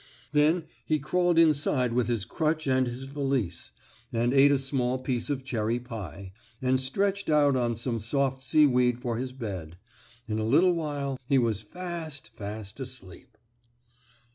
Then he crawled inside with his crutch and his valise, and ate a small piece of cherry pie, and stretched out on some soft seaweed for his bed. In a little while he was fast, fast asleep.